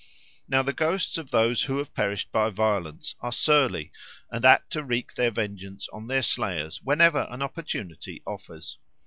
Now the ghosts of those who have perished by violence are surly and apt to wreak their vengeance on their slayers whenever an opportunity offers.